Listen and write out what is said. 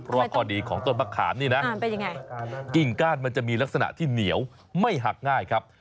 เพราะว่าข้อดีของต้นมะขามนี่นะกิ่งก้านมันจะมีลักษณะที่เหนียวไม่หักง่ายครับ